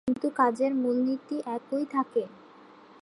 কিন্তু কাজের মূলনীতি একই থাকে।